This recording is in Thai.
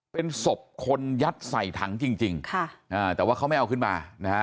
เป็นศพคนยัดใส่ถังจริงแต่ว่าเขาไม่เอาขึ้นมานะฮะ